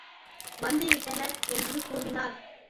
வந்து விட்டனர், என்று கூவினான்.